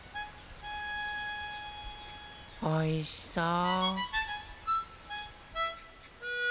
おいしそう。